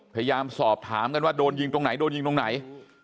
พยายามสอบถามกันว่าโดนยิงตรงไหนโดนยิงตรงไหน